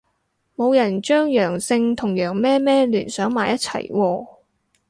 冇人將陽性同羊咩咩聯想埋一齊喎